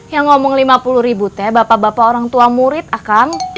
yang ngomong lima puluh ribu teh bapak bapak orang tua murid akan